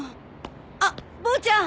あっボーちゃん！